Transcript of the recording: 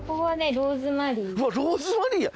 ローズマリーや。